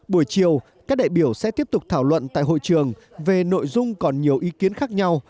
buổi chiều các đại biểu sẽ tiếp tục thảo luận tại hội trường về nội dung còn nhiều ý kiến khác nhau